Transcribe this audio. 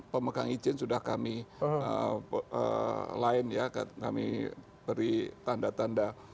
empat puluh enam pemegang izin sudah kami lain ya kami beri tanda tanda